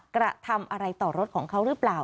กระทำอะไรต่อรถของเขาหรือเปล่า